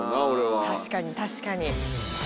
確かに確かに。